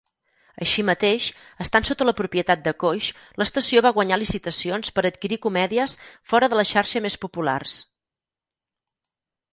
Així mateix, estant sota la propietat de Coix, l'estació va guanyar licitacions per a adquirir comèdies fora de la xarxa més populars.